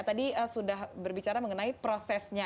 tadi sudah berbicara mengenai prosesnya